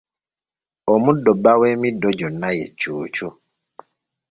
Omuddo bba w'emiddo gyonna ye cuucu